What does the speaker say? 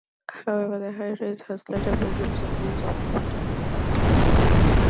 However, the high-rise has larger bedrooms and views of Boston and Cambridge.